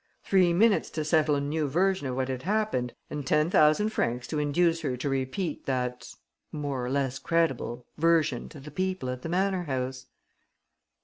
Three minutes to settle a new version of what had happened and ten thousand francs to induce her to repeat that ... more or less credible ... version to the people at the manor house."